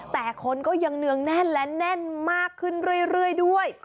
แต่คนก็ยังเนืองแน่นและแน่นมากขึ้นเรื่อยด้วย